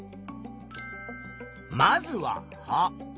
まずは葉。